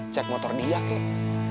cek motor dia kek